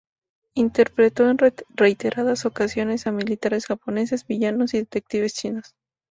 Interpretó en reiteradas ocasiones a militares japoneses, villanos y detectives chinos.